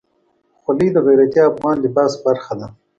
خولۍ د غیرتي افغان لباس برخه ده.